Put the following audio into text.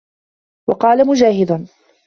وَقَالَ مُجَاهِدٌ